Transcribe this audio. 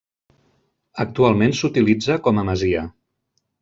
Actualment s'utilitza com a masia.